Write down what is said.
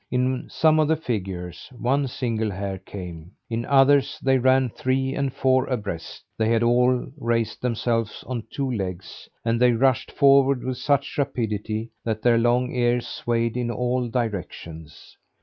In some of the figures, one single hare came; in others, they ran three and four abreast. They had all raised themselves on two legs, and they rushed forward with such rapidity that their long ears swayed in all directions.